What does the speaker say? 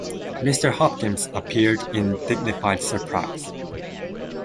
Mr Hopkins appeared in dignified surprise.